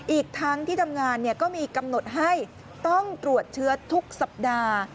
อีกทั้งที่ทำงานก็มีกำหนดให้ต้องตรวจเชื้อทุกสัปดาห์